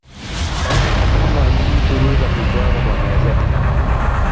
Eng kasarta ne nwach ko kisuruk amitwogik kobwa meset